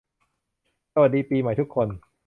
สวัสดีปีใหม่ทุกคน